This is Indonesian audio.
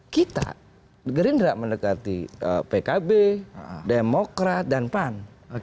kita gerindra mendekati pkb demokrat dan pan